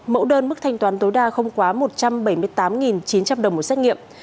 mẫu đơn mức thanh toán tối đa không quá một trăm bảy mươi tám chín trăm linh đồng một xét nghiệm